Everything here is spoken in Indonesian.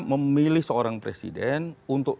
memilih seorang presiden untuk